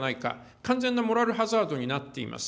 完全なモラルハザードになっています。